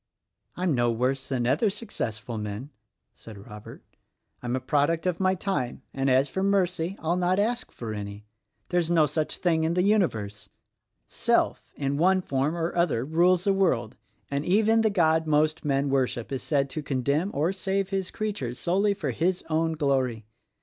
"I'm no worse than other successful men," said Rob ert. "I'm a product of my time; and as for Mercy, I'll not ask for any. There's no such thing in the universe. Self, in one form or other, rules the world; and even the God most men worship is said to condemn or save his creatures solely for His own glory.